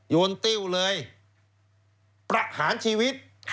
โยนติ้วเลยประหารชีวิต